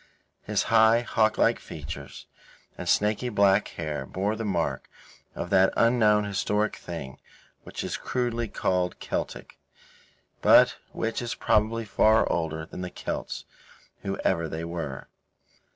His high, hawklike features and snaky black hair bore the mark of that unknown historic thing which is crudely called Celtic, but which is probably far older than the Celts, whoever they were.